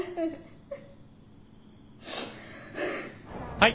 はい。